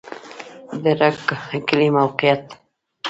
د رګ کلی موقعیت